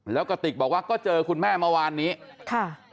แล้วกระติกบอกว่าก็เจอคุณแม่เมื่อวานนี้ค่ะ